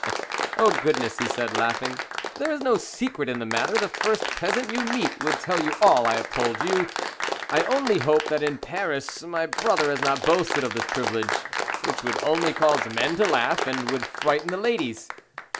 "Oh, goodness," he said, laughing, "there is no secret in the matter the first peasant you meet would tell you all I have told you; I only hope that in Paris my brother has not boasted of this privilege, which would only cause men to laugh, and would frighten the ladies."